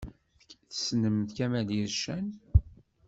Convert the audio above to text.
Tessnem Kamel Ircen?